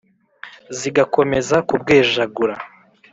zigakomeza kubwejagura